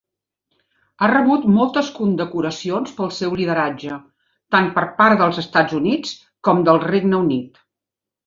Ha rebut moltes condecoracions pel seu lideratge, tant per part dels Estats Units com del Regne Unit.